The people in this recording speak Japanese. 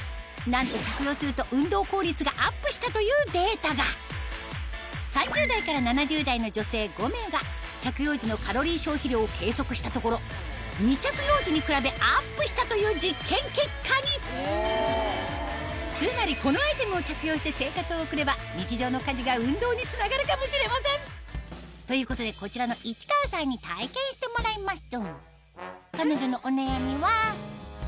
なんと着用するとしたというデータが３０代から７０代の女性５名が着用時のカロリー消費量を計測したところしたという実験結果につまりこのアイテムを着用して生活を送れば日常の家事が運動につながるかもしれませんということでこちらの市川さんに体験してもらいます